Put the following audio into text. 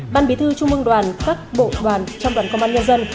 ban bí thư trung ương đoàn các bộ đoàn trong đoàn công an nhân dân